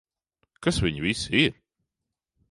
Kas viņi visi ir?